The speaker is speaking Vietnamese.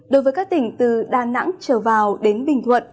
đối với các tỉnh từ đà nẵng trở vào đến bình thuận